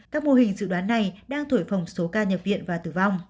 các mô hình dự đoán này đang thổi phòng số ca nhập viện và tử vong